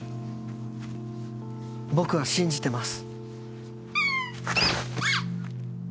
僕は信じてます。